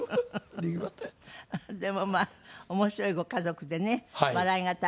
でもまあ面白いご家族でね笑いが絶えない。